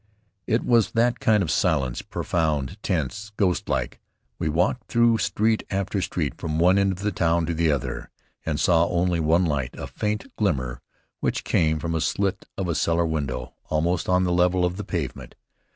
It was that kind of silence, profound, tense, ghostlike. We walked through street after street, from one end of the town to the other, and saw only one light, a faint glimmer which came from a slit of a cellar window almost on the level of the pavement.